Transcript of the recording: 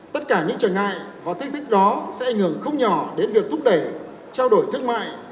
tất cả những trở ngại và thách thức đó sẽ ảnh hưởng không nhỏ đến việc thúc đẩy trao đổi thương mại